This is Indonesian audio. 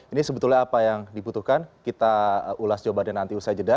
ini sebetulnya apa yang dibutuhkan kita ulas coba deh nanti usai jeda